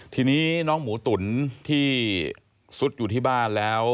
ทีนี้น้องหมูตุ๋นที่สุดอยู่ที่บ้านแล้ว